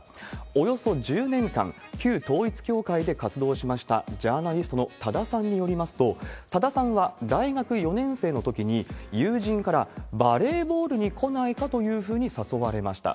およそ１０年間、旧統一教会で活動しました、ジャーナリストの多田さんによりますと、多田さんは大学４年生のときに、友人からバレーボールに来ないか？というふうに誘われました。